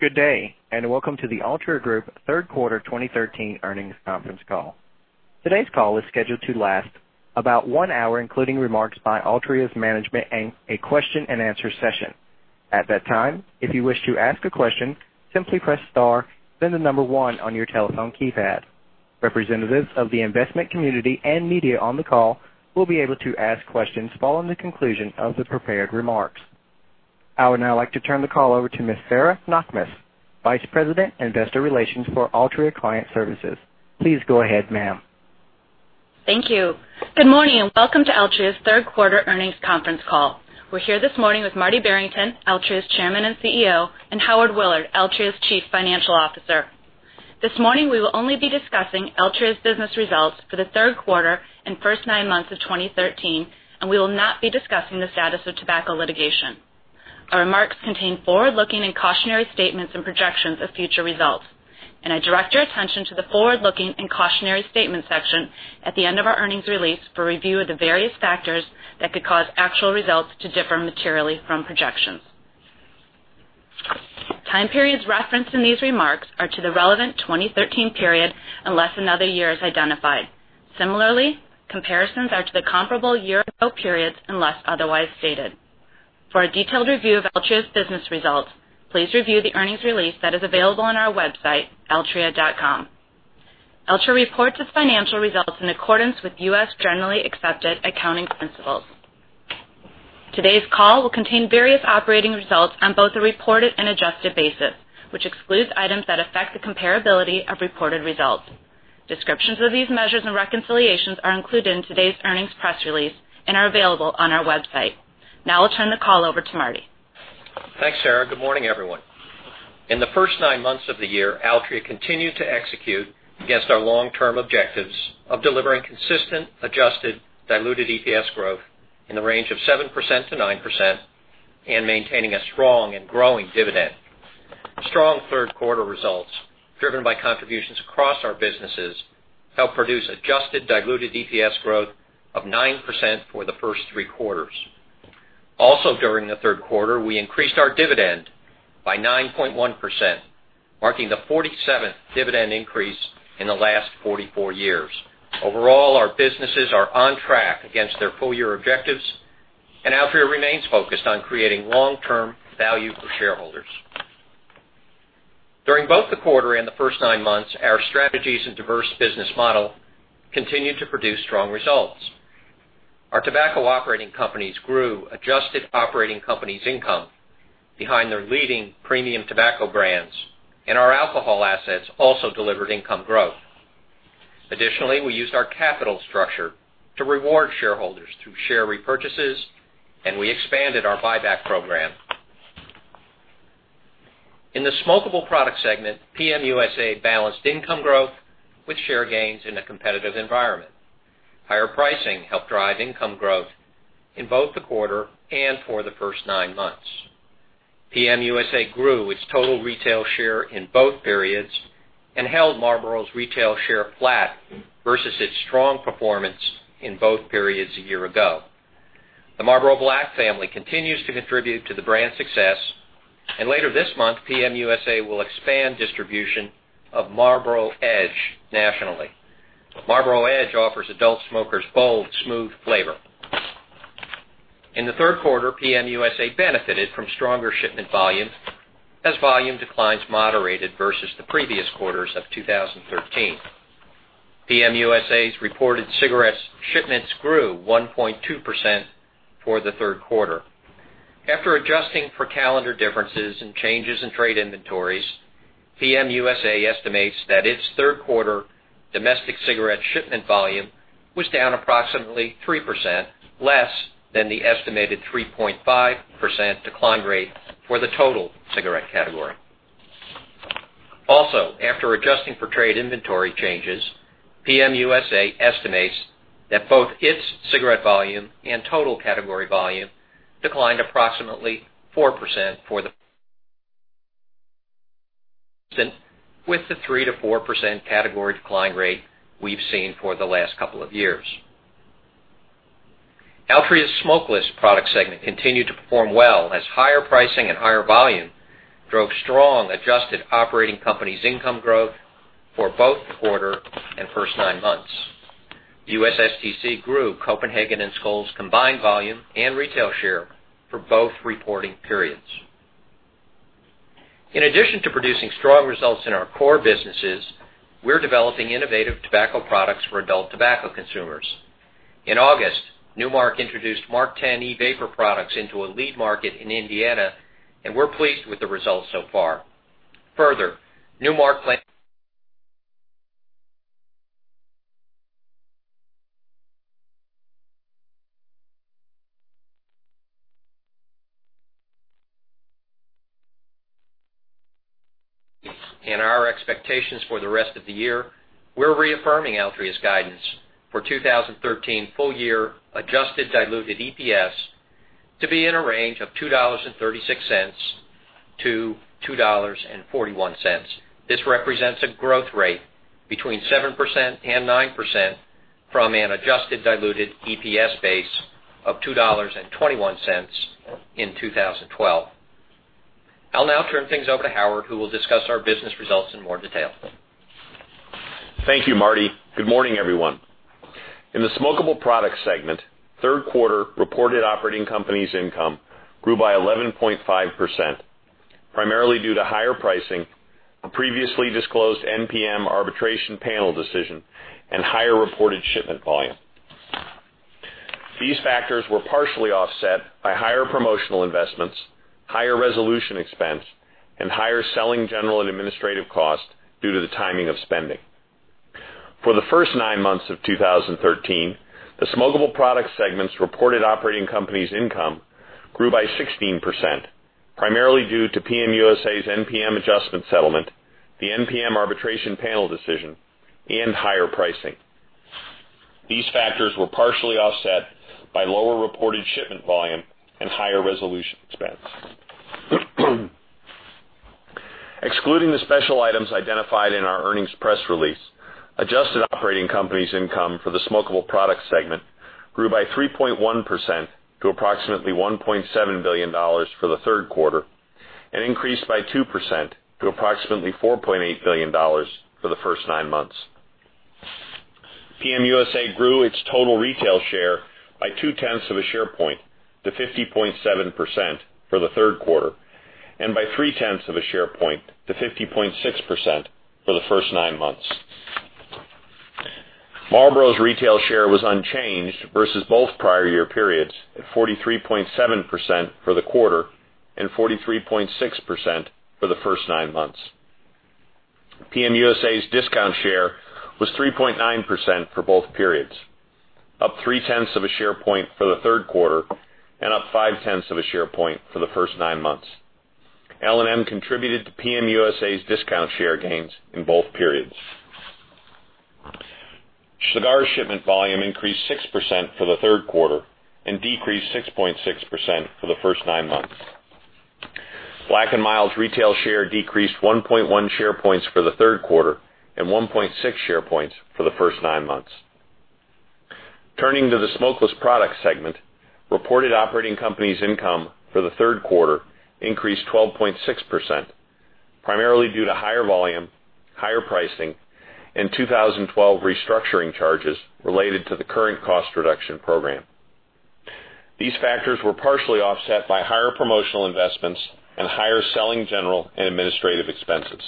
Good day, and welcome to the Altria Group third quarter 2013 earnings conference call. Today's call is scheduled to last about one hour, including remarks by Altria's management and a question and answer session. At that time, if you wish to ask a question, simply press star, then the number one on your telephone keypad. Representatives of the investment community and media on the call will be able to ask questions following the conclusion of the prepared remarks. I would now like to turn the call over to Ms. Sarah Knakmuhs, Vice President, Investor Relations for Altria Client Services. Please go ahead, ma'am. Thank you. Good morning, and welcome to Altria's third quarter earnings conference call. We're here this morning with Marty Barrington, Altria's Chairman and CEO, and Howard Willard, Altria's Chief Financial Officer. This morning, we will only be discussing Altria's business results for the third quarter and first nine months of 2013, and we will not be discussing the status of tobacco litigation. Our remarks contain forward-looking and cautionary statements and projections of future results, and I direct your attention to the forward-looking and cautionary statement section at the end of our earnings release for review of the various factors that could cause actual results to differ materially from projections. Time periods referenced in these remarks are to the relevant 2013 period, unless another year is identified. Similarly, comparisons are to the comparable year periods, unless otherwise stated. For a detailed review of Altria's business results, please review the earnings release that is available on our website, altria.com. Altria reports its financial results in accordance with U.S. Generally Accepted Accounting Principles. Today's call will contain various operating results on both a reported and adjusted basis, which excludes items that affect the comparability of reported results. Descriptions of these measures and reconciliations are included in today's earnings press release and are available on our website. I'll turn the call over to Marty. Thanks, Sarah. Good morning, everyone. In the first nine months of the year, Altria continued to execute against our long-term objectives of delivering consistent adjusted diluted EPS growth in the range of 7%-9% and maintaining a strong and growing dividend. Strong third quarter results, driven by contributions across our businesses, helped produce adjusted diluted EPS growth of 9% for the first three quarters. Also, during the third quarter, we increased our dividend by 9.1%, marking the 47th dividend increase in the last 44 years. Overall, our businesses are on track against their full-year objectives, and Altria remains focused on creating long-term value for shareholders. During both the quarter and the first nine months, our strategies and diverse business model continued to produce strong results. Our tobacco operating companies grew adjusted operating companies income behind their leading premium tobacco brands, and our alcohol assets also delivered income growth. Additionally, we used our capital structure to reward shareholders through share repurchases, and we expanded our buyback program. In the smokable product segment, PM USA balanced income growth with share gains in a competitive environment. Higher pricing helped drive income growth in both the quarter and for the first nine months. PM USA grew its total retail share in both periods and held Marlboro's retail share flat versus its strong performance in both periods a year ago. The Marlboro Black family continues to contribute to the brand's success, and later this month, PM USA will expand distribution of Marlboro Edge nationally. Marlboro Edge offers adult smokers bold, smooth flavor. In the third quarter, PM USA benefited from stronger shipment volumes as volume declines moderated versus the previous quarters of 2013. PM USA's reported cigarettes shipments grew 1.2% for the third quarter. After adjusting for calendar differences and changes in trade inventories, PM USA estimates that its third quarter domestic cigarette shipment volume was down approximately 3% less than the estimated 3.5% decline rate for the total cigarette category. Also, after adjusting for trade inventory changes, PM USA estimates that both its cigarette volume and total category volume declined approximately 4% with the 3%-4% category decline rate we've seen for the last couple of years. Altria's smokeless product segment continued to perform well as higher pricing and higher volume drove strong adjusted operating companies income growth for both the quarter and first nine months. The USSTC grew Copenhagen and Skoal's combined volume and retail share for both reporting periods. In addition to producing strong results in our core businesses, we're developing innovative tobacco products for adult tobacco consumers. In August, Nu Mark introduced MarkTen e-vapor products into a lead market in Indiana, and we're pleased with the results so far. Further, Nu Mark plan and our expectations for the rest of the year. We're reaffirming Altria's guidance for 2013 full-year adjusted diluted EPS to be in a range of $2.36-$2.41. This represents a growth rate between 7% and 9% From an adjusted diluted EPS base of $2.21 in 2012. I'll now turn things over to Howard, who will discuss our business results in more detail. Thank you, Marty. Good morning, everyone. In the smokable product segment, third quarter reported operating companies' income grew by 11.5%, primarily due to higher pricing, a previously disclosed NPM arbitration panel decision, and higher reported shipment volume. These factors were partially offset by higher promotional investments, higher resolution expense, and higher selling general and administrative costs due to the timing of spending. For the first nine months of 2013, the smokable product segment's reported operating company's income grew by 16%, primarily due to PM USA's NPM adjustment settlement, the NPM arbitration panel decision, and higher pricing. These factors were partially offset by lower reported shipment volume and higher resolution expense. Excluding the special items identified in our earnings press release, adjusted operating company's income for the smokable product segment grew by 3.1% to approximately $1.7 billion for the third quarter and increased by 2% to approximately $4.8 billion for the first nine months. PM USA grew its total retail share by two-tenths of a share point to 50.7% for the third quarter, and by three-tenths of a share point to 50.6% for the first nine months. Marlboro's retail share was unchanged versus both prior year periods at 43.7% for the quarter and 43.6% for the first nine months. PM USA's discount share was 3.9% for both periods, up three-tenths of a share point for the third quarter and up five-tenths of a share point for the first nine months. L&M contributed to PM USA's discount share gains in both periods. Cigar shipment volume increased 6% for the third quarter and decreased 6.6% for the first nine months. Black & Mild's retail share decreased 1.1 share points for the third quarter and 1.6 share points for the first nine months. Turning to the smokeless product segment, reported operating company's income for the third quarter increased 12.6%, primarily due to higher volume, higher pricing, and 2012 restructuring charges related to the current cost reduction program. These factors were partially offset by higher promotional investments and higher selling general and administrative expenses.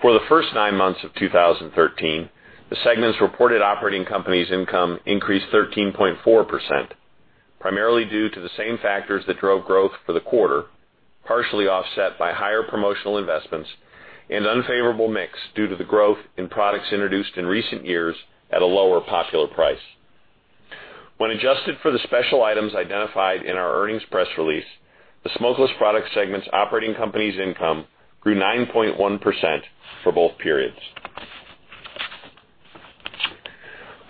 For the first nine months of 2013, the segment's reported operating company's income increased 13.4%, primarily due to the same factors that drove growth for the quarter, partially offset by higher promotional investments and unfavorable mix due to the growth in products introduced in recent years at a lower popular price. When adjusted for the special items identified in our earnings press release, the smokeless product segment's operating company's income grew 9.1% for both periods.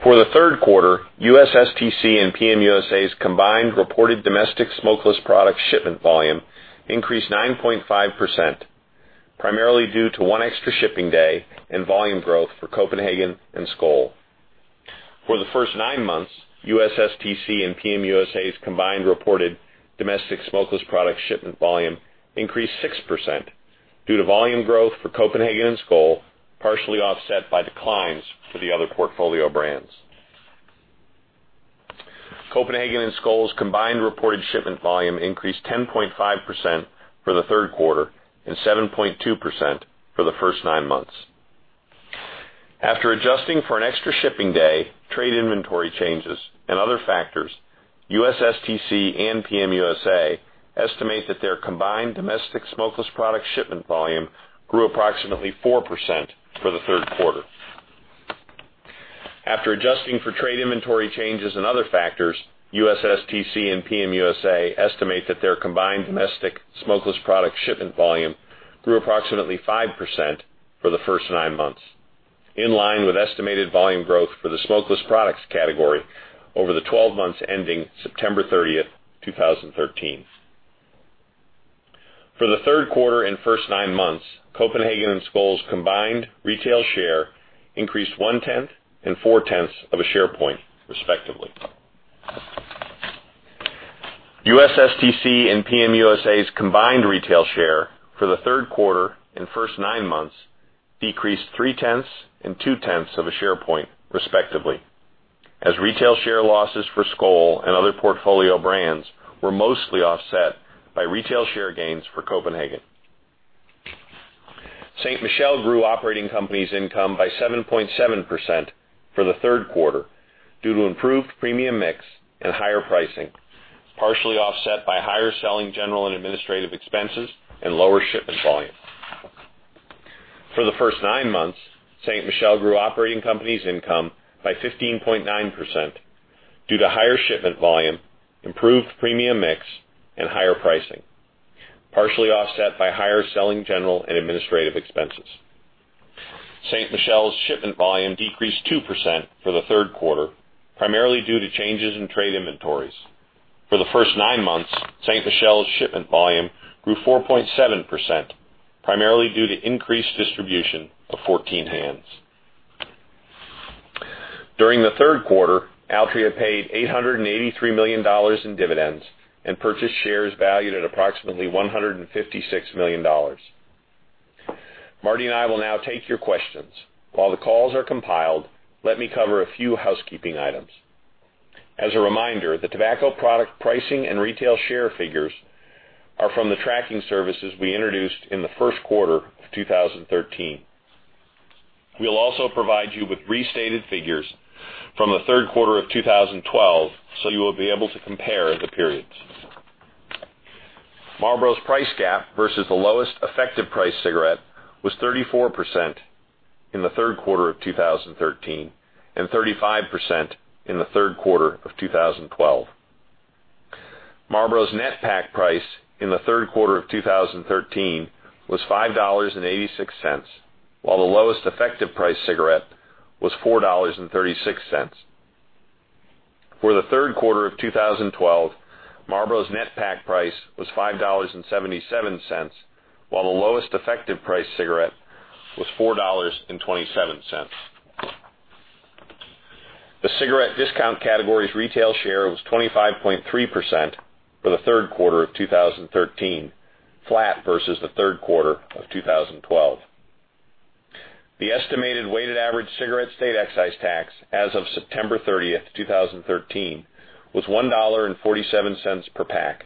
For the third quarter, USSTC and PM USA's combined reported domestic smokeless product shipment volume increased 9.5%, primarily due to one extra shipping day and volume growth for Copenhagen and Skoal. For the first nine months, USSTC and PM USA's combined reported domestic smokeless product shipment volume increased 6% due to volume growth for Copenhagen and Skoal, partially offset by declines for the other portfolio brands. Copenhagen and Skoal's combined reported shipment volume increased 10.5% for the third quarter and 7.2% for the first nine months. After adjusting for an extra shipping day, trade inventory changes, and other factors, USSTC and PM USA estimate that their combined domestic smokeless product shipment volume grew approximately 4% for the third quarter. After adjusting for trade inventory changes and other factors, USSTC and PM USA estimate that their combined domestic smokeless product shipment volume grew approximately 5% for the first nine months, in line with estimated volume growth for the smokeless products category over the 12 months ending September 30th, 2013. For the third quarter and first nine months, Copenhagen and Skoal's combined retail share increased one-tenth and four-tenths of a share point, respectively. USSTC and PM USA's combined retail share for the third quarter and first nine months decreased three-tenths and two-tenths of a share point, respectively, as retail share losses for Skoal and other portfolio brands were mostly offset by retail share gains for Copenhagen. Ste. Michelle grew operating companies' income by 7.7% for the third quarter due to improved premium mix and higher pricing, partially offset by higher selling general and administrative expenses and lower shipment volume. For the first nine months, Ste. Michelle grew operating companies' income by 15.9% due to higher shipment volume, improved premium mix, and higher pricing, partially offset by higher selling general and administrative expenses. Ste. Michelle's shipment volume decreased 2% for the third quarter, primarily due to changes in trade inventories. For the first nine months, Ste. Michelle's shipment volume grew 4.7%, primarily due to increased distribution of 14 Hands. During the third quarter, Altria paid $883 million in dividends and purchased shares valued at approximately $156 million. Marty and I will now take your questions. While the calls are compiled, let me cover a few housekeeping items. As a reminder, the tobacco product pricing and retail share figures are from the tracking services we introduced in the first quarter of 2013. We'll also provide you with restated figures from the third quarter of 2012, so you will be able to compare the periods. Marlboro's price gap versus the lowest effective price cigarette was 34% in the third quarter of 2013 and 35% in the third quarter of 2012. Marlboro's net pack price in the third quarter of 2013 was $5.86, while the lowest effective price cigarette was $4.36. For the third quarter of 2012, Marlboro's net pack price was $5.77, while the lowest effective price cigarette was $4.27. The cigarette discount category's retail share was 25.3% for the third quarter of 2013, flat versus the third quarter of 2012. The estimated weighted average cigarette state excise tax as of September 30th, 2013, was $1.47 per pack,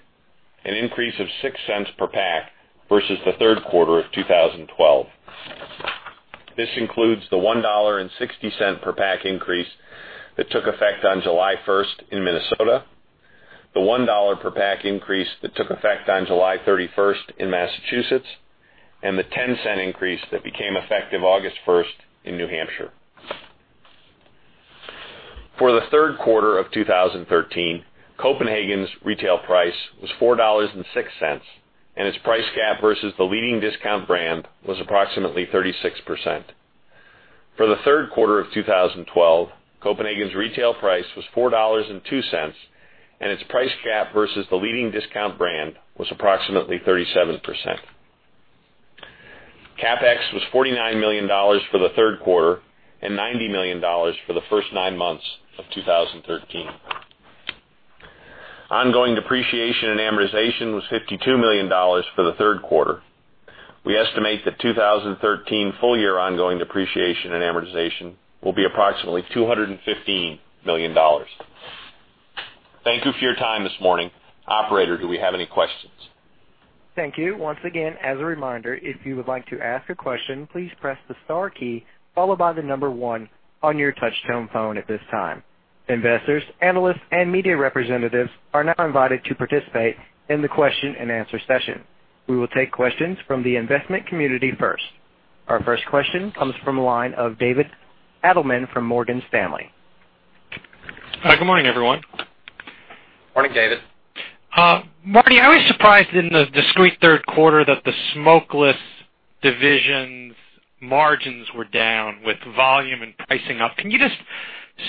an increase of $0.06 per pack versus the third quarter of 2012. This includes the $1.60 per pack increase that took effect on July 1st in Minnesota, the $1 per pack increase that took effect on July 31st in Massachusetts, and the $0.10 increase that became effective August 1st in New Hampshire. For the third quarter of 2013, Copenhagen's retail price was $4.06, and its price gap versus the leading discount brand was approximately 36%. For the third quarter of 2012, Copenhagen's retail price was $4.02, and its price gap versus the leading discount brand was approximately 37%. CapEx was $49 million for the third quarter and $90 million for the first nine months of 2013. Ongoing depreciation and amortization was $52 million for the third quarter. We estimate that 2013 full-year ongoing depreciation and amortization will be approximately $215 million. Thank you for your time this morning. Operator, do we have any questions? Thank you. Once again, as a reminder, if you would like to ask a question, please press the star key followed by the number one on your touch tone phone at this time. Investors, analysts, and media representatives are now invited to participate in the question-and-answer session. We will take questions from the investment community first. Our first question comes from the line of David Adelman from Morgan Stanley. Hi. Good morning, everyone. Morning, David. Marty, I was surprised in the discrete third quarter that the smokeless division's margins were down with volume and pricing up. Can you just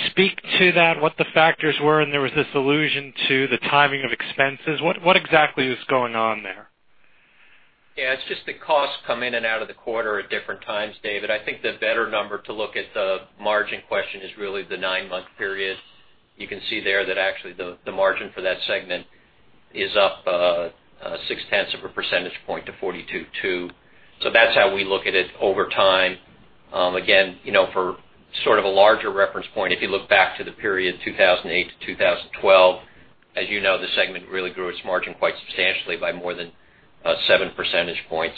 speak to that, what the factors were? There was this allusion to the timing of expenses. What exactly is going on there? Yeah, it's just that costs come in and out of the quarter at different times, David. I think the better number to look at the margin question is really the nine-month period. You can see there that actually the margin for that segment is up six-tenths of a percentage point to 42.2. That's how we look at it over time. Again, for sort of a larger reference point, if you look back to the period 2008 to 2012, as you know, the segment really grew its margin quite substantially by more than seven percentage points.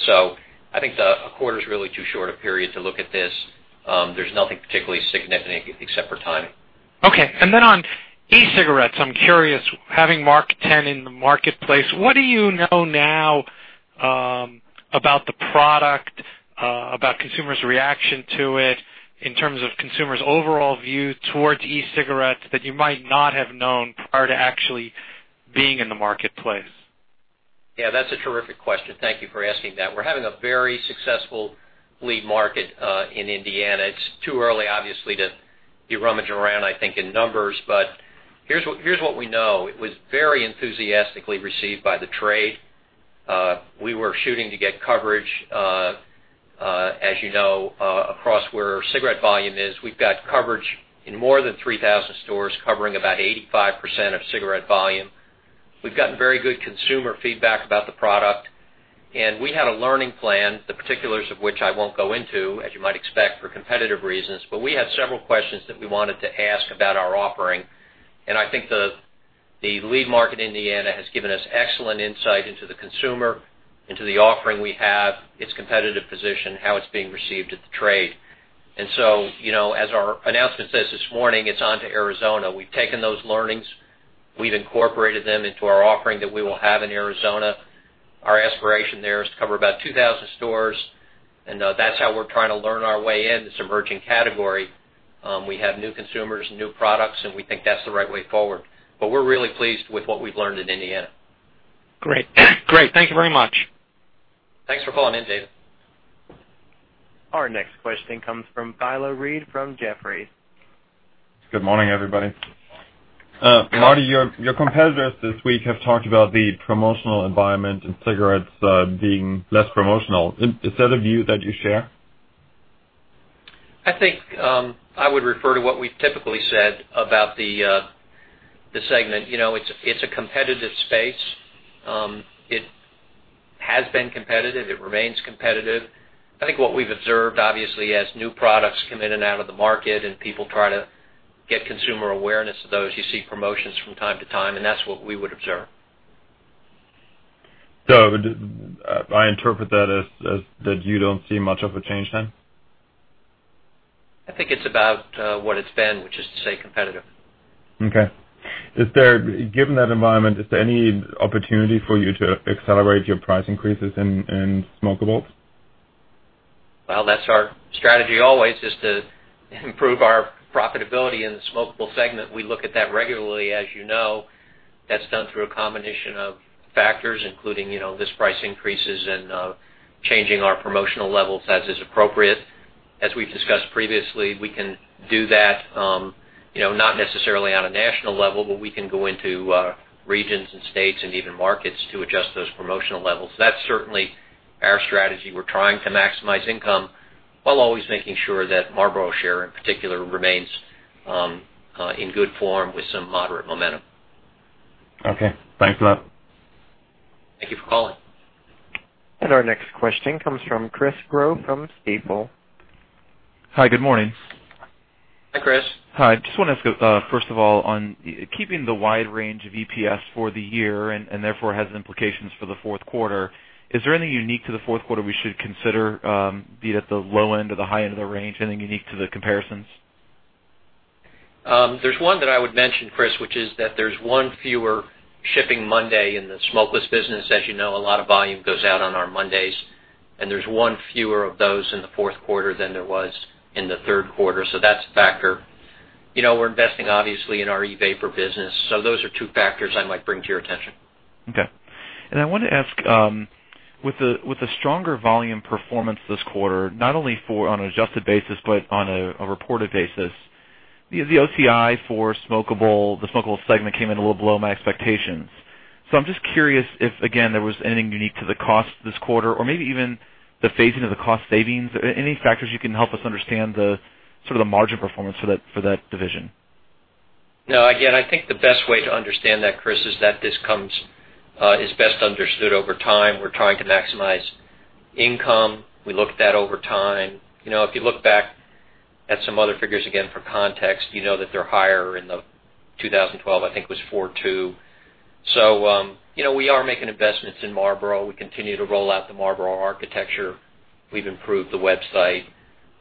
I think a quarter's really too short a period to look at this. There's nothing particularly significant except for timing. Okay. On e-cigarettes, I'm curious, having MarkTen in the marketplace, what do you know now about the product, about consumers' reaction to it in terms of consumers' overall view towards e-cigarettes that you might not have known prior to actually being in the marketplace? Yeah, that's a terrific question. Thank you for asking that. We're having a very successful lead market, in Indiana. It's too early, obviously, to be rummaging around, I think, in numbers, but here's what we know. It was very enthusiastically received by the trade. We were shooting to get coverage, as you know, across where cigarette volume is. We've got coverage in more than 3,000 stores, covering about 85% of cigarette volume. We've gotten very good consumer feedback about the product. We had a learning plan, the particulars of which I won't go into, as you might expect, for competitive reasons, but we had several questions that we wanted to ask about our offering. I think the lead market, Indiana, has given us excellent insight into the consumer, into the offering we have, its competitive position, how it's being received at the trade. As our announcement says this morning, it's onto Arizona. We've taken those learnings, we've incorporated them into our offering that we will have in Arizona. Our aspiration there is to cover about 2,000 stores, that's how we're trying to learn our way in this emerging category. We have new consumers, new products, we think that's the right way forward. We're really pleased with what we've learned in Indiana. Great. Thank you very much. Thanks for calling in, David. Our next question comes from Nik Modi from Jefferies. Good morning, everybody. Marty, your competitors this week have talked about the promotional environment and cigarettes being less promotional. Is that a view that you share? I think I would refer to what we've typically said about the segment. It's a competitive space. It has been competitive, it remains competitive. I think what we've observed, obviously, as new products come in and out of the market and people try to get consumer awareness of those, you see promotions from time to time, and that's what we would observe. I interpret that as that you don't see much of a change? I think it's about what it's been, which is to say competitive. Okay. Given that environment, is there any opportunity for you to accelerate your price increases in smokeables? That's our strategy always is to improve our profitability in the smokable segment. We look at that regularly. As you know, that's done through a combination of factors, including list price increases and changing our promotional levels as is appropriate. As we've discussed previously, we can do that not necessarily on a national level, but we can go into regions and states and even markets to adjust those promotional levels. That's certainly our strategy. We're trying to maximize income while always making sure that Marlboro share, in particular, remains in good form with some moderate momentum. Okay. Thanks for that. Thank you for calling. Our next question comes from Chris Growe from Stifel. Hi, good morning. Hi, Chris. Hi. Just want to ask, first of all, on keeping the wide range of EPS for the year, and therefore has implications for the fourth quarter, is there anything unique to the fourth quarter we should consider, be it at the low end or the high end of the range? Anything unique to the comparisons? There's one that I would mention, Chris, which is that there's one fewer shipping Monday in the smokeless business. As you know, a lot of volume goes out on our Mondays, and there's one fewer of those in the fourth quarter than there was in the third quarter. That's a factor. We're investing, obviously, in our e-vapor business. Those are two factors I might bring to your attention. Okay. I wanted to ask, with the stronger volume performance this quarter, not only on an adjusted basis, but on a reported basis, the OCI for the smokeable segment came in a little below my expectations. I'm just curious if, again, there was anything unique to the cost this quarter or maybe even the phasing of the cost savings. Any factors you can help us understand the sort of the margin performance for that division? Again, I think the best way to understand that, Chris, is that this is best understood over time. We're trying to maximize income. We look at that over time. If you look back at some other figures, again, for context, you know that they're higher in the 2012, I think was 42. We are making investments in Marlboro. We continue to roll out the Marlboro architecture. We've improved the website.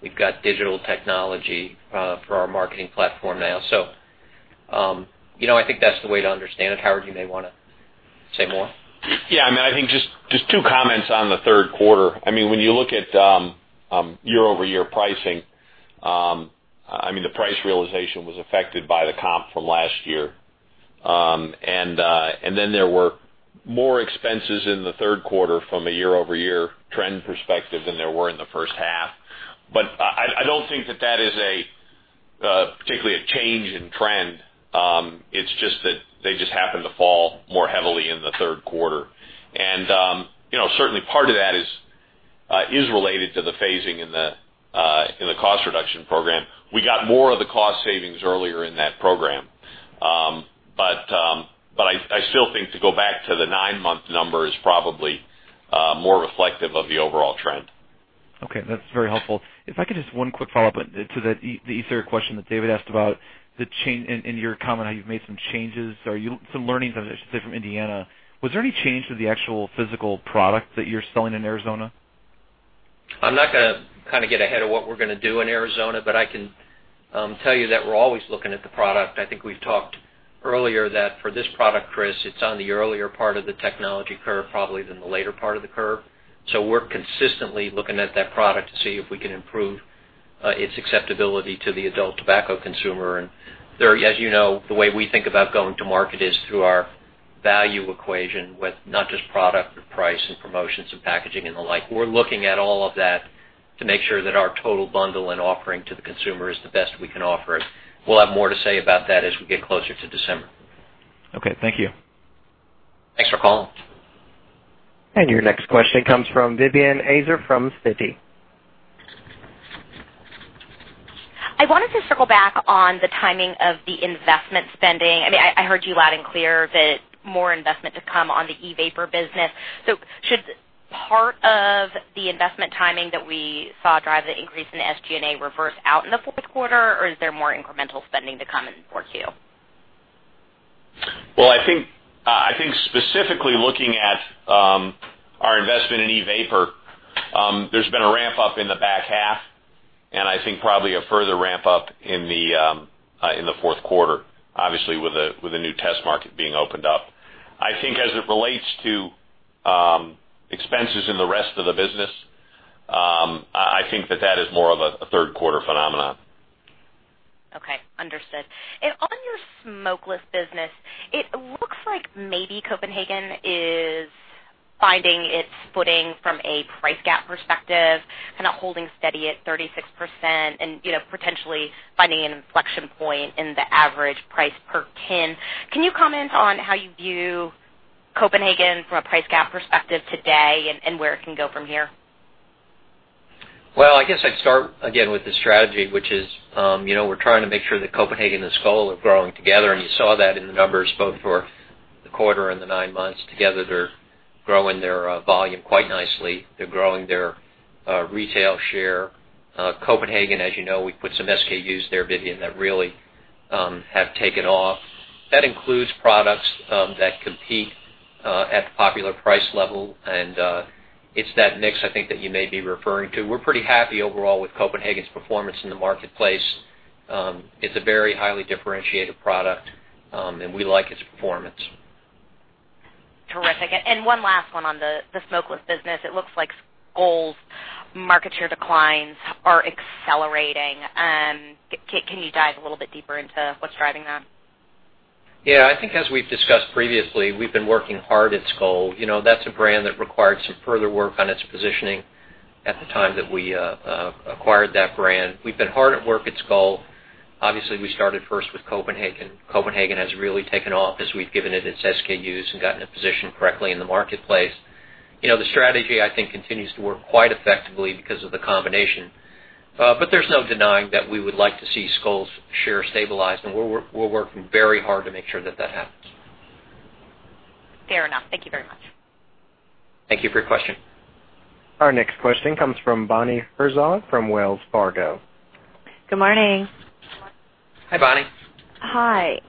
We've got digital technology for our marketing platform now. I think that's the way to understand it. Howard, you may want to say more. Yeah, I think just two comments on the third quarter. When you look at year-over-year pricing, the price realization was affected by the comp from last year. There were more expenses in the third quarter from a year-over-year trend perspective than there were in the first half. I don't think that that is particularly a change in trend. It's just that they just happen to fall more heavily in the third quarter. Certainly part of that is related to the phasing in the cost reduction program. We got more of the cost savings earlier in that program. I still think to go back to the nine-month number is probably more reflective of the overall trend. Okay. That's very helpful. If I could just one quick follow-up to the e-cig question that David asked about and your comment how you've made some changes or some learnings, I should say, from Indiana. Was there any change to the actual physical product that you're selling in Arizona? I'm not going to get ahead of what we're going to do in Arizona, but I can tell you that we're always looking at the product. I think we've talked earlier that for this product, Chris, it's on the earlier part of the technology curve probably than the later part of the curve. We're consistently looking at that product to see if we can improve its acceptability to the adult tobacco consumer. As you know, the way we think about going to market is through our value equation with not just product, but price and promotions and packaging and the like. We're looking at all of that to make sure that our total bundle and offering to the consumer is the best we can offer. We'll have more to say about that as we get closer to December. Okay. Thank you. Thanks for calling. Your next question comes from Vivian Azer from Citi. I wanted to circle back on the timing of the investment spending. I heard you loud and clear that more investment to come on the e-vapor business. Should part of the investment timing that we saw drive the increase in SG&A reverse out in the fourth quarter, or is there more incremental spending to come in 4Q? Well, I think specifically looking at our investment in e-vapor, there's been a ramp up in the back half and I think probably a further ramp up in the fourth quarter, obviously with the new test market being opened up. I think as it relates to expenses in the rest of the business, I think that that is more of a third quarter phenomenon. Understood. On your smokeless business, it looks like maybe Copenhagen is finding its footing from a price gap perspective, kind of holding steady at 36% and potentially finding an inflection point in the average price per tin. Can you comment on how you view Copenhagen from a price gap perspective today and where it can go from here? Well, I guess I'd start again with the strategy, which is we're trying to make sure that Copenhagen and Skoal are growing together, and you saw that in the numbers both for the quarter and the nine months. Together, they're growing their volume quite nicely. They're growing their retail share. Copenhagen, as you know, we put some SKUs there, Vivian, that really have taken off. That includes products that compete at the popular price level, and it's that mix I think that you may be referring to. We're pretty happy overall with Copenhagen's performance in the marketplace. It's a very highly differentiated product, and we like its performance. Terrific. One last one on the smokeless business. It looks like Skoal's market share declines are accelerating. Can you dive a little bit deeper into what's driving that? Yeah. I think as we've discussed previously, we've been working hard at Skoal. That's a brand that required some further work on its positioning at the time that we acquired that brand. We've been hard at work at Skoal. Obviously, we started first with Copenhagen. Copenhagen has really taken off as we've given it its SKUs and gotten it positioned correctly in the marketplace. The strategy, I think, continues to work quite effectively because of the combination. There's no denying that we would like to see Skoal's share stabilize, and we're working very hard to make sure that that happens. Fair enough. Thank you very much. Thank you for your question. Our next question comes from Bonnie Herzog from Wells Fargo. Good morning. Hi, Bonnie. Hi.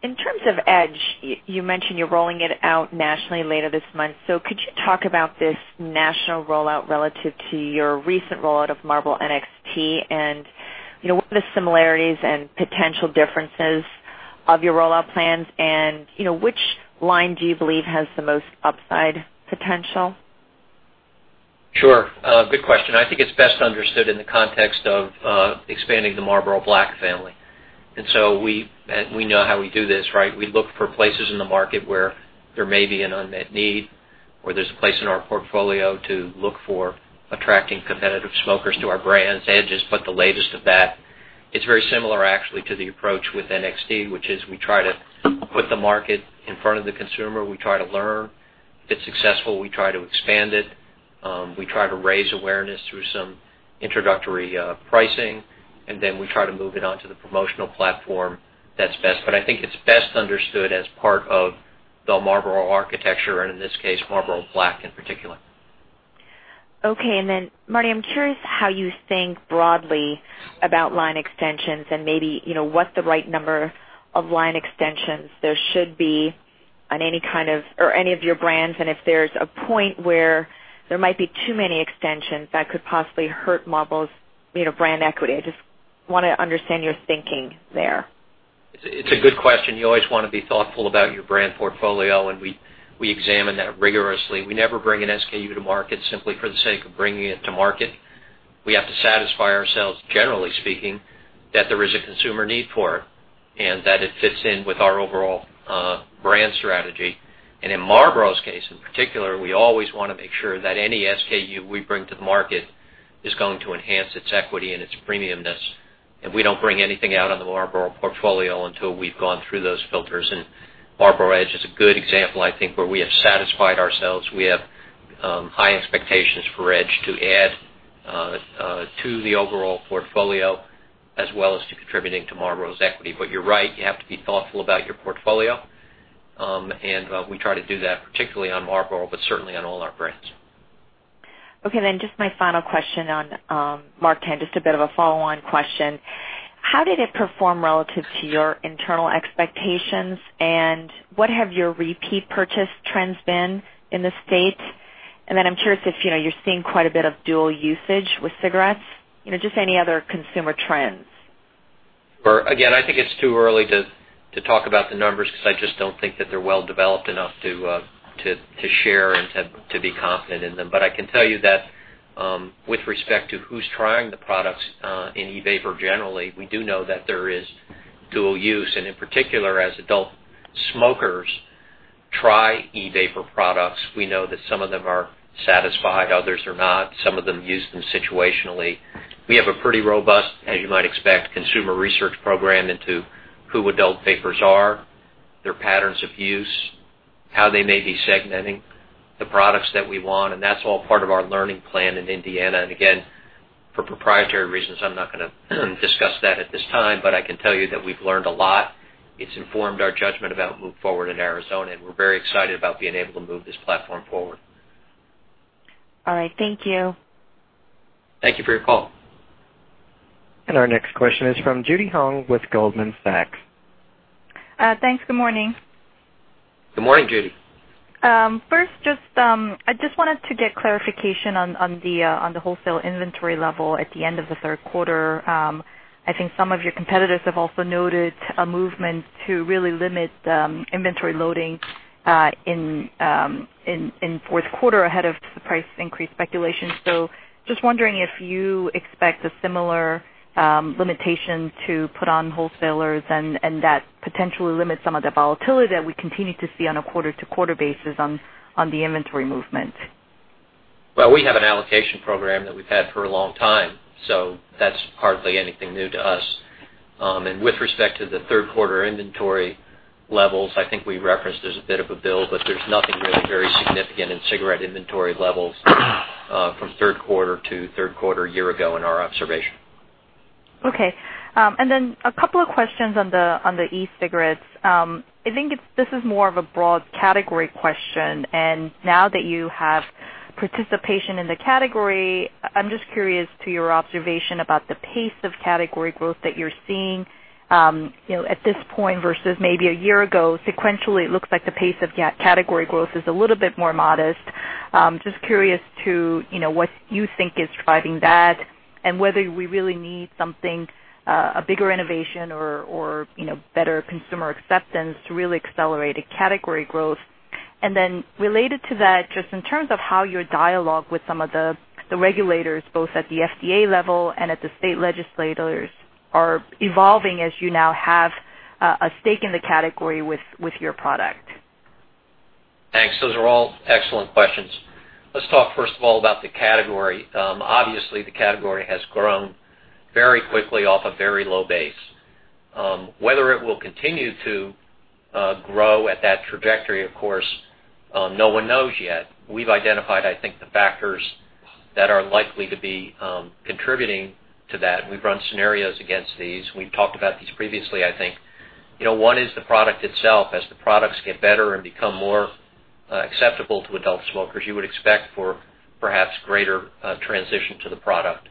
In terms of Edge, you mentioned you're rolling it out nationally later this month. Could you talk about this national rollout relative to your recent rollout of Marlboro NXT, and what are the similarities and potential differences of your rollout plans? Which line do you believe has the most upside potential? Sure. Good question. I think it's best understood in the context of expanding the Marlboro Black family. We know how we do this, right? We look for places in the market where there may be an unmet need, or there's a place in our portfolio to look for attracting competitive smokers to our brands. Edge is but the latest of that. It's very similar, actually, to the approach with NXT, which is we try to put the market in front of the consumer. We try to learn. If it's successful, we try to expand it. We try to raise awareness through some introductory pricing, and then we try to move it onto the promotional platform that's best. I think it's best understood as part of the Marlboro architecture, and in this case, Marlboro Black in particular. Okay. Marty, I'm curious how you think broadly about line extensions and maybe what's the right number of line extensions there should be on any of your brands, and if there's a point where there might be too many extensions that could possibly hurt Marlboro's brand equity. I just want to understand your thinking there. It's a good question. You always want to be thoughtful about your brand portfolio, we examine that rigorously. We never bring an SKU to market simply for the sake of bringing it to market. We have to satisfy ourselves, generally speaking, that there is a consumer need for it, that it fits in with our overall brand strategy. In Marlboro's case, in particular, we always want to make sure that any SKU we bring to the market is going to enhance its equity and its premiumness, we don't bring anything out on the Marlboro portfolio until we've gone through those filters. Marlboro Edge is a good example, I think, where we have satisfied ourselves. We have high expectations for Edge to add to the overall portfolio as well as to contributing to Marlboro's equity. You're right. You have to be thoughtful about your portfolio, we try to do that, particularly on Marlboro, certainly on all our brands. Okay, just my final question on MarkTen, just a bit of a follow-on question. How did it perform relative to your internal expectations, what have your repeat purchase trends been in the U.S.? I'm curious if you're seeing quite a bit of dual usage with cigarettes. Just any other consumer trends. Sure. I think it's too early to talk about the numbers because I just don't think that they're well developed enough to share and to be confident in them. I can tell you that with respect to who's trying the products in e-vapor, generally, we do know that there is dual use, and in particular, as adult smokers try e-vapor products, we know that some of them are satisfied, others are not. Some of them use them situationally. We have a pretty robust, as you might expect, consumer research program into who adult vapers are, their patterns of use, how they may be segmenting the products that we want, and that's all part of our learning plan in Indiana. For proprietary reasons, I'm not going to discuss that at this time. I can tell you that we've learned a lot. It's informed our judgment about move forward in Arizona, and we're very excited about being able to move this platform forward. All right. Thank you. Thank you for your call. Our next question is from Judy Hong with Goldman Sachs. Thanks. Good morning. Good morning, Judy. First, I just wanted to get clarification on the wholesale inventory level at the end of the third quarter. I think some of your competitors have also noted a movement to really limit inventory loading in fourth quarter ahead of the price increase speculation. Just wondering if you expect a similar limitation to put on wholesalers and that potentially limits some of the volatility that we continue to see on a quarter-to-quarter basis on the inventory movement. We have an allocation program that we've had for a long time, that's hardly anything new to us. With respect to the third quarter inventory levels, I think we referenced there's a bit of a build, there's nothing really very significant in cigarette inventory levels from third quarter to third quarter a year ago in our observation. Okay. A couple of questions on the e-cigarettes. I think this is more of a broad category question, now that you have participation in the category, I'm just curious to your observation about the pace of category growth that you're seeing. At this point versus maybe a year ago, sequentially, it looks like the pace of category growth is a little bit more modest. Just curious to what you think is driving that and whether we really need something, a bigger innovation or better consumer acceptance to really accelerate a category growth. Related to that, just in terms of how your dialogue with some of the regulators, both at the FDA level and at the state legislators, are evolving as you now have a stake in the category with your product. Thanks. Those are all excellent questions. Let's talk first of all about the category. Obviously, the category has grown very quickly off a very low base. Whether it will continue to grow at that trajectory, of course, no one knows yet. We've identified, I think, the factors that are likely to be contributing to that, we've run scenarios against these. We've talked about these previously, I think. One is the product itself. As the products get better and become more acceptable to adult smokers, you would expect for perhaps greater transition to the product.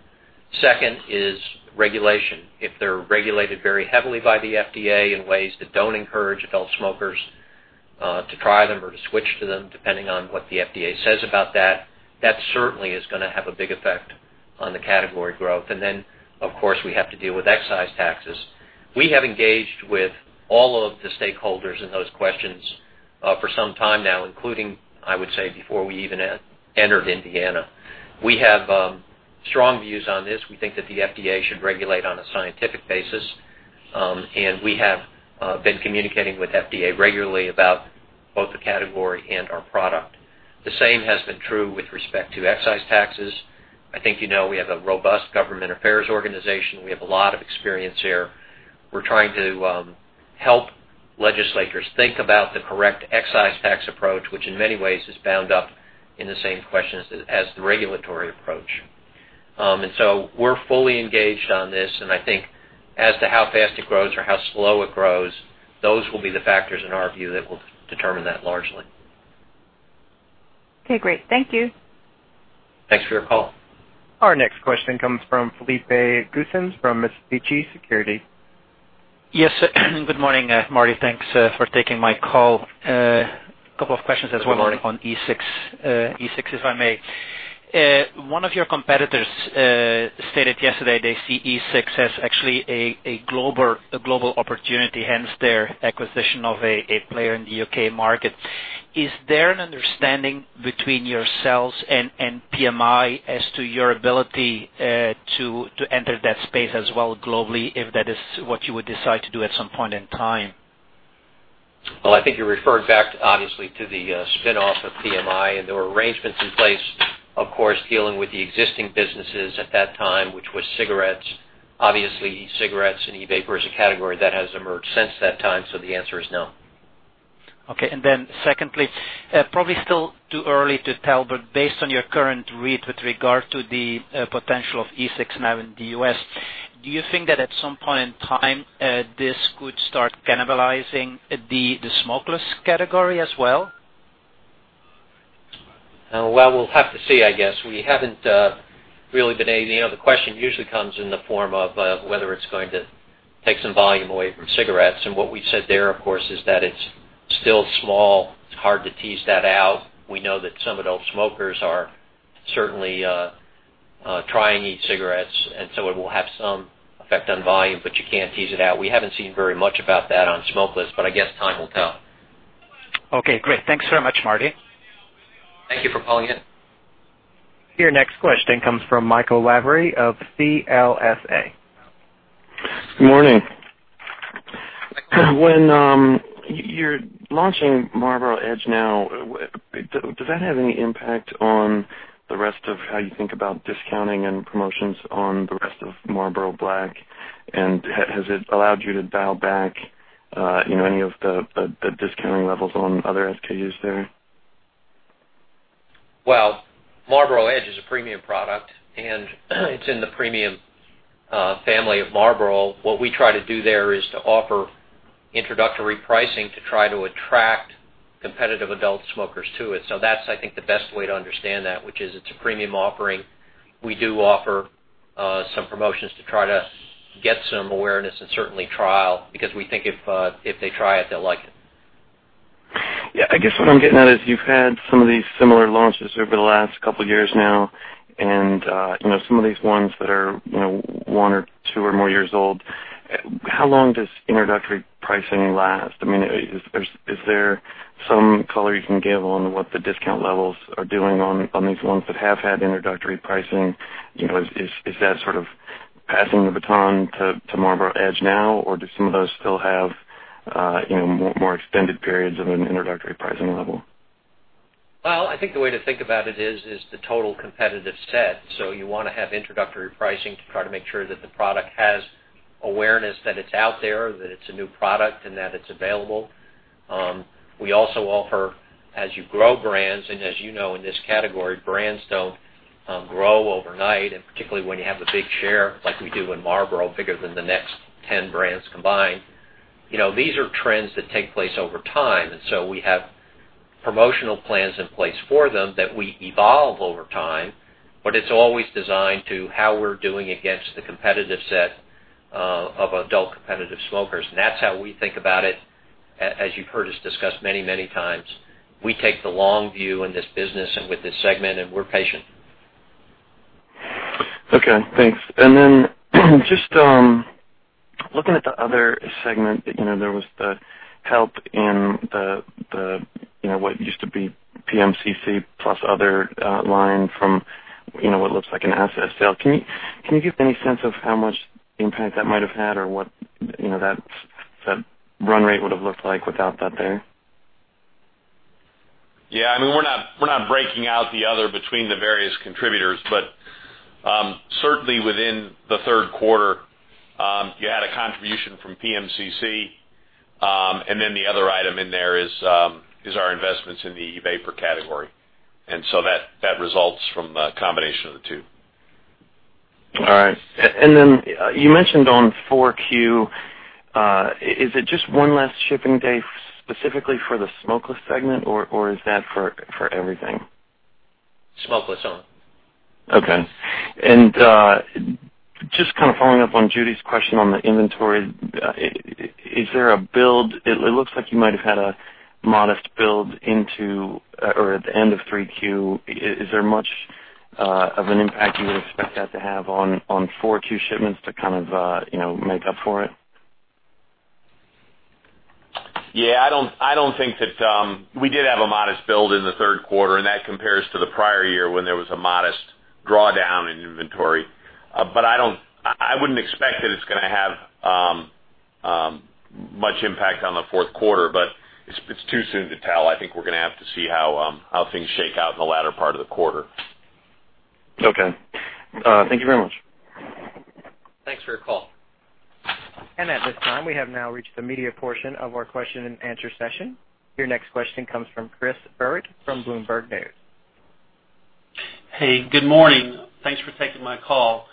Second is regulation. If they're regulated very heavily by the FDA in ways that don't encourage adult smokers to try them or to switch to them, depending on what the FDA says about that certainly is going to have a big effect on the category growth. Of course, we have to deal with excise taxes. We have engaged with all of the stakeholders in those questions for some time now, including, I would say, before we even entered Indiana. We have strong views on this. We think that the FDA should regulate on a scientific basis. We have been communicating with FDA regularly about both the category and our product. The same has been true with respect to excise taxes. I think you know we have a robust government affairs organization. We have a lot of experience here. We're trying to help legislators think about the correct excise tax approach, which in many ways is bound up in the same questions as the regulatory approach. We're fully engaged on this, and I think as to how fast it grows or how slow it grows, those will be the factors in our view that will determine that largely. Okay, great. Thank you. Thanks for your call. Our next question comes from Philippe Goetens from Mitsubishi Securities. Yes. Good morning, Marty. Thanks for taking my call. A couple of questions as well. Good morning. On e-cigs, if I may. One of your competitors stated yesterday they see e-cigs as actually a global opportunity, hence their acquisition of a player in the U.K. market. Is there an understanding between yourselves and PMI as to your ability to enter that space as well globally, if that is what you would decide to do at some point in time? Well, I think you're referring back, obviously, to the spinoff of PMI. There were arrangements in place, of course, dealing with the existing businesses at that time, which was cigarettes. Obviously, e-cigarettes and e-vapor is a category that has emerged since that time. The answer is no. Okay. Secondly, probably still too early to tell, but based on your current read with regard to the potential of e-cig now in the U.S., do you think that at some point in time, this could start cannibalizing the smokeless category as well? Well, we'll have to see, I guess. The question usually comes in the form of whether it's going to take some volume away from cigarettes, what we said there, of course, is that it's still small. It's hard to tease that out. We know that some adult smokers are certainly trying e-cigarettes, so it will have some effect on volume, but you can't tease it out. We haven't seen very much about that on smokeless, but I guess time will tell. Okay, great. Thanks very much, Marty. Thank you for calling in. Your next question comes from Michael Lavery of CLSA. Good morning. When you're launching Marlboro Edge now, does that have any impact on the rest of how you think about discounting and promotions on the rest of Marlboro Black? Has it allowed you to dial back any of the discounting levels on other SKUs there? Well, Marlboro Edge is a premium product, and it's in the premium family of Marlboro. What we try to do there is to offer introductory pricing to try to attract competitive adult smokers to it. That's, I think, the best way to understand that, which is it's a premium offering. We do offer some promotions to try to get some awareness and certainly trial, because we think if they try it, they'll like it. Yeah, I guess what I'm getting at is you've had some of these similar launches over the last couple of years now, and some of these ones that are one or two or more years old, how long does introductory pricing last? Is there some color you can give on what the discount levels are doing on these ones that have had introductory pricing? Is that sort of passing the baton to Marlboro Edge now, or do some of those still have more extended periods of an introductory pricing level? Well, I think the way to think about it is the total competitive set. You want to have introductory pricing to try to make sure that the product has awareness, that it's out there, that it's a new product, and that it's available. We also offer, as you grow brands, and as you know, in this category, brands don't grow overnight, and particularly when you have a big share like we do in Marlboro, bigger than the next 10 brands combined. These are trends that take place over time, and so we have promotional plans in place for them that we evolve over time. It's always designed to how we're doing against the competitive set of adult competitive smokers. That's how we think about it. As you've heard us discuss many times, we take the long view in this business and with this segment, and we're patient. Okay, thanks. Just looking at the other segment, there was the help in what used to be PMCC plus other line from what looks like an asset sale. Can you give any sense of how much impact that might have had or what that run rate would've looked like without that there? Yeah, we're not breaking out the other between the various contributors, but certainly within the third quarter, you had a contribution from PMCC. The other item in there is our investments in the e-vapor category, and so that results from a combination of the two. All right. You mentioned on 4Q, is it just one less shipping day specifically for the smokeless segment, or is that for everything? Smokeless only. Okay. Just kind of following up on Judy's question on the inventory, is there a build? It looks like you might have had a modest build into or at the end of 3Q. Is there much of an impact you would expect that to have on 4Q shipments to kind of make up for it? Yeah, I don't think We did have a modest build in the third quarter, and that compares to the prior year when there was a modest drawdown in inventory. I wouldn't expect that it's going to have much impact on the fourth quarter, but it's too soon to tell. I think we're going to have to see how things shake out in the latter part of the quarter. Okay. Thank you very much. Thanks for your call. At this time, we have now reached the media portion of our question and answer session. Your next question comes from Chris Burritt from Bloomberg News. Hey, good morning. Thanks for taking my call.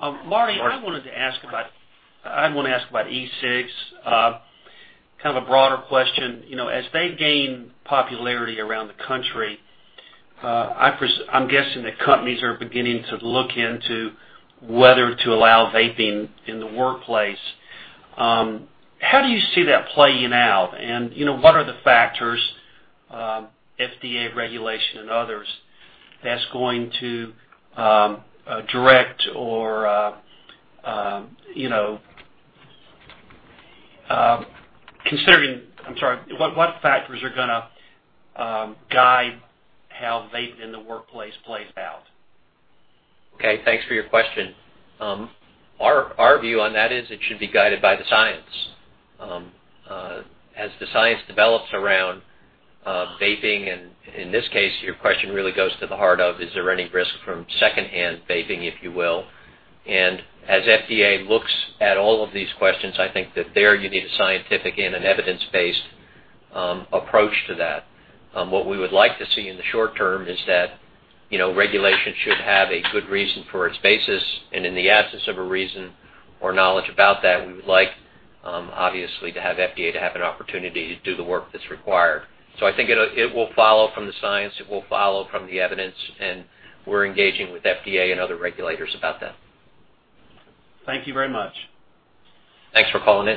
Marty, I wanted to ask about e-cigs, kind of a broader question. As they gain popularity around the country, I'm guessing that companies are beginning to look into whether to allow vaping in the workplace. How do you see that playing out? What factors are going to guide how vaping in the workplace plays out? Okay. Thanks for your question. Our view on that is it should be guided by the science. As the science develops around vaping, and in this case, your question really goes to the heart of, is there any risk from secondhand vaping, if you will. As FDA looks at all of these questions, I think that there you need a scientific and an evidence-based approach to that. What we would like to see in the short term is that regulation should have a good reason for its basis, and in the absence of a reason or knowledge about that, we would like, obviously, to have FDA to have an opportunity to do the work that's required. I think it will follow from the science, it will follow from the evidence, and we're engaging with FDA and other regulators about that. Thank you very much. Thanks for calling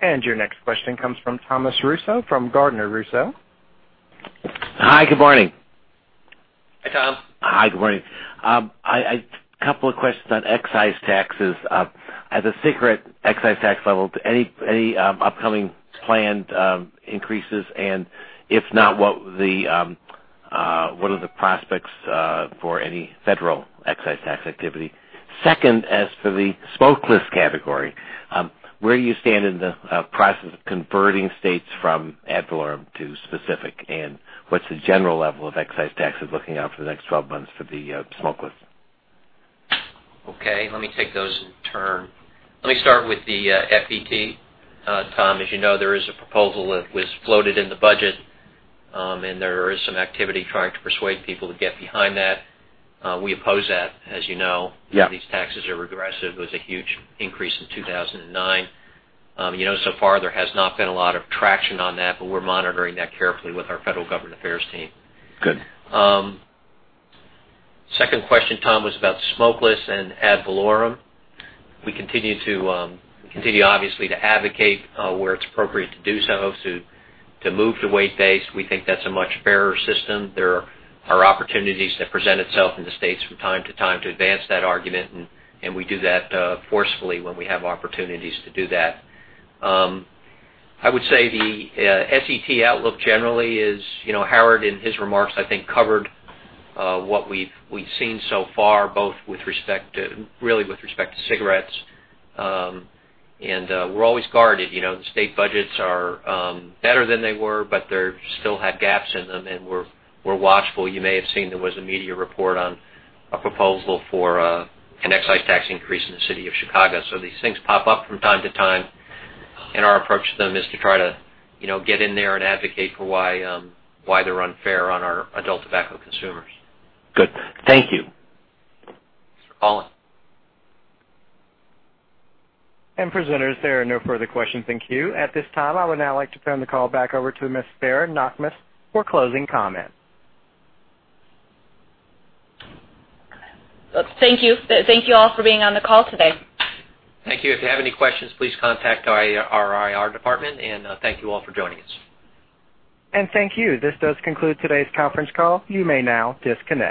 in. Your next question comes from Thomas Russo from Gardner Russo. Hi, good morning. Hi, Tom. Hi, good morning. A couple of questions on excise taxes. At the cigarette excise tax level, any upcoming planned increases, and if not, what are the prospects for any federal excise tax activity? Second, as for the smokeless category, where do you stand in the process of converting states from ad valorem to specific, and what's the general level of excise taxes looking out for the next 12 months for the smokeless? Okay. Let me take those in turn. Let me start with the FET. Tom, as you know, there is a proposal that was floated in the budget, and there is some activity trying to persuade people to get behind that. We oppose that, as you know. Yeah. These taxes are regressive. There was a huge increase in 2009. So far there has not been a lot of traction on that, but we're monitoring that carefully with our federal government affairs team. Good. Second question, Tom, was about smokeless and ad valorem. We continue, obviously, to advocate where it's appropriate to do so to move to weight-based. We think that's a much fairer system. There are opportunities that present itself in the States from time to time to advance that argument, and we do that forcefully when we have opportunities to do that. I would say the FET outlook generally is, Howard in his remarks, I think, covered what we've seen so far, both really with respect to cigarettes. We're always guarded. The state budgets are better than they were, but they still have gaps in them, and we're watchful. You may have seen there was a media report on a proposal for an excise tax increase in the city of Chicago. These things pop up from time to time, and our approach to them is to try to get in there and advocate for why they're unfair on our adult tobacco consumers. Good. Thank you. Thanks for calling. Presenters, there are no further questions in queue. At this time, I would now like to turn the call back over to Ms. Sarah Knakmuhs for closing comments. Thank you. Thank you all for being on the call today. Thank you. If you have any questions, please contact our IR department, and thank you all for joining us. Thank you. This does conclude today's conference call. You may now disconnect.